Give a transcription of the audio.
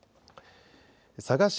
佐賀市